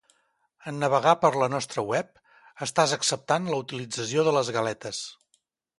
En navegar per la nostra web, estàs acceptant la utilització de les galetes.